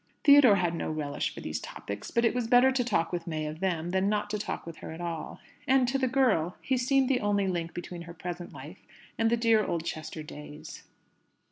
Theodore had no relish for these topics; but it was better to talk with May of them, than not to talk with her at all. And to the girl, he seemed the only link between her present life and the dear Oldchester days.